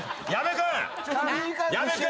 矢部君！